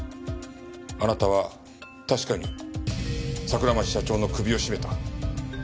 あなたは確かに桜町社長の首を絞めた。